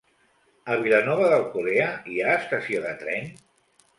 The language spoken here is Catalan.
A Vilanova d'Alcolea hi ha estació de tren?